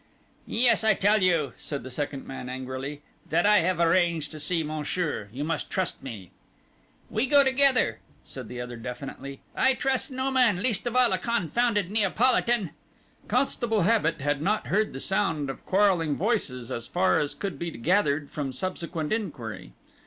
"Yes, I tell you," said the second man, angrily, "that I have arranged to see M'sieur you must trust me " "We go together," said the other, definitely, "I trust no man, least of all a confounded Neapolitan " Constable Habit had not heard the sound of quarrelling voices, as far as could be gathered from subsequent inquiry.